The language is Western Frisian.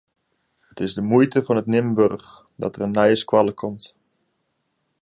It is de muoite fan it neamen wurdich dat der in nije skoalle komt.